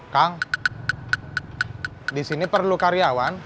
kang disini perlu karyawan